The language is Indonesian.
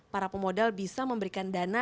para pemodal bisa memberikan dana